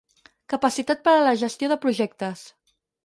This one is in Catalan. Capacitat per a la gestió de projectes.